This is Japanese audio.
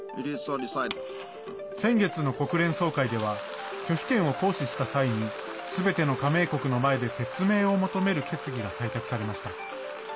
先月の国連総会では拒否権を行使した際にすべての加盟国の前で説明を求める決議が採択されました。